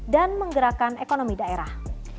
dan menggerakkan ekonomi daerah